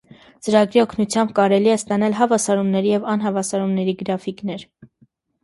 Ծրագրի օգնությամբ կարելի է ստանալ հավասարումների և անհավասարումների գրաֆիկներ։